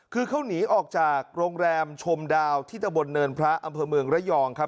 คือเขาหนีออกจากโรงแรมชมดาวที่ตะบนเนินพระอำเภอเมืองระยองครับ